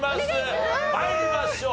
参りましょう。